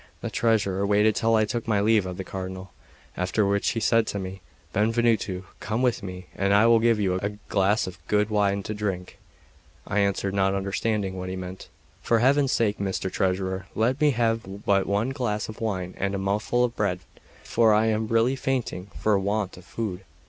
The treasurer waited till I took my leave of the Cardinal; after which he said to me: "Benvenuto, come with me, and I will give you a glass of good wine to drink." I answered, not understanding what he meant: "For Heaven's sake, Mr. Treasurer, let me have but one glass of wine and a mouthful of bread; for I am really fainting for want of food.